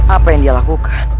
apa yang dia lakukan